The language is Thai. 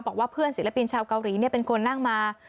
บอกว่าเพื่อนศิลปินชาวเกาหลีเป็นคนนั่งมา